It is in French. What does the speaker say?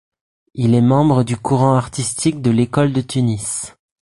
Il est membre du courant artistique de l'École de Tunis.